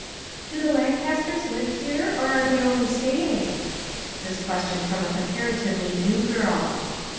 " Do the Lancasters live here, or are they only staying?" This question from a com paratively new girl.